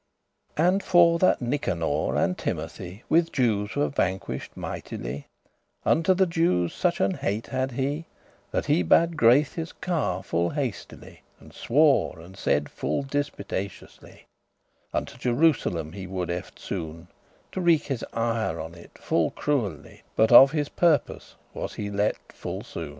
And for that Nicanor and Timothee With Jewes were vanquish'd mightily, <21> Unto the Jewes such an hate had he, That he bade *graith his car* full hastily, *prepare his chariot* And swore and saide full dispiteously, Unto Jerusalem he would eftsoon,* *immediately To wreak his ire on it full cruelly But of his purpose was he let* full soon.